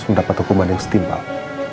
mendapat hukuman yang setimbang